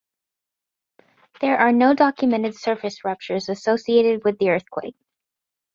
There are no documented surface ruptures associated with the earthquake.